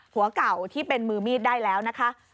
หัวเก่าที่เป็นมือมีดได้แล้วนะคะ